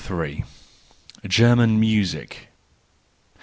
German Music